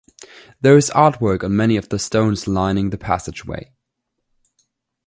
There is artwork on many of the stones lining the passageway.